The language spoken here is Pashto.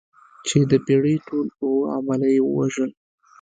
چې د بېړۍ ټول اووه عمله یې ووژل.